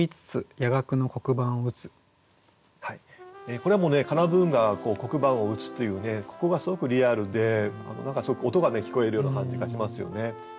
これはもうねカナブンが黒板を打つというここがすごくリアルで何かすごく音が聞こえるような感じがしますよね。